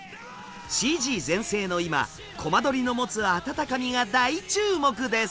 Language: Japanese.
ＣＧ全盛の今コマ撮りの持つ温かみが大注目です。